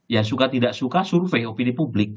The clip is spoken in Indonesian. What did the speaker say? ya suka tidak suka survei opini publik